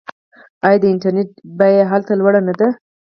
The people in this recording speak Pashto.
آیا د انټرنیټ بیه هلته لوړه نه ده؟